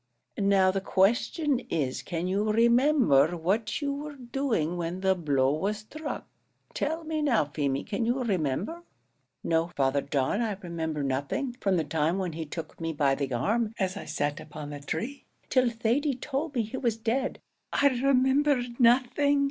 Now the question is, can you remember what you were doing when the blow was struck? Tell me now, Feemy, can you remember?" "No, Father John, I remember nothing; from the time when he took me by the arm, as I sat upon the tree, till Thady told me he was dead, I remember nothing.